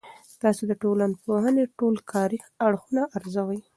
تاسو د ټولنپوهنې ټول کاري اړخونه ارزوي؟